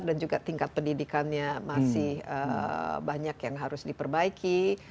dan juga tingkat pendidikannya masih banyak yang harus diperbaiki